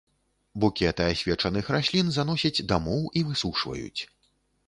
Букеты асвечаных раслін заносяць дамоў і высушваюць.